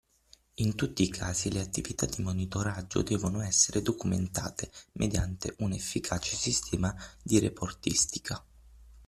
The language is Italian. In tutti i casi le attività di monitoraggio devono essere documentate mediante un efficace sistema di reportistica.